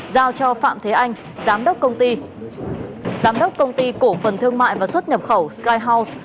giao cho phạm thế anh giám đốc công ty cổ phần thương mại và xuất nhập khẩu sky house